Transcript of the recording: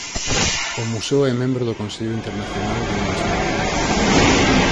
O Museo é membro do Consello Internacional de Numismática.